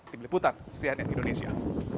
tim liputan cnn indonesia